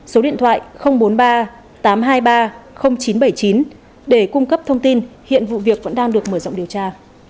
số điện thoại bốn mươi ba tám trăm hai mươi ba chín trăm bảy mươi chín để cung cấp thông tin hiện vụ việc vẫn đang được mở rộng điều tra